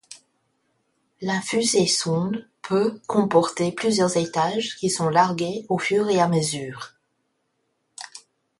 La fusée-sonde peut comporter plusieurs étages qui sont largués au fur et à mesure.